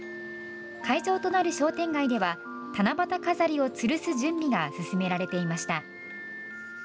会場となる商店街では七夕飾りをつるす準備が進められていました。